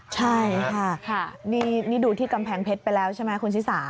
ใช่ค่ะนี่ดูที่กำแพงเพชรไปแล้วใช่ไหมคุณชิสา